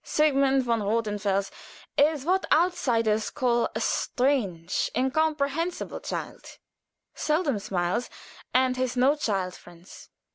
Sigmund von Rothenfels is what outsiders call "a strange, incomprehensible child;" seldom smiles, and has no child friends.